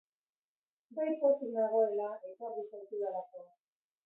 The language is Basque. Bai pozik nagoela ekarri zaitudalako!